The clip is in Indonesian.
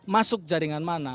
masuk jaringan mana